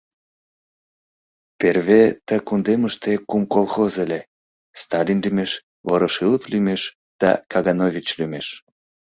Перве ты кундемыште кум колхоз ыле: Сталин лӱмеш, Ворошилов лӱмеш да Каганович лӱмеш.